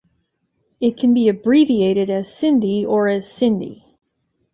It can be abbreviated as Cindy or as Cyndy.